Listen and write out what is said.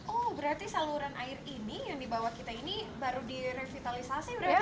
oh berarti saluran air ini yang dibawa kita ini baru direvitalisasi berarti ya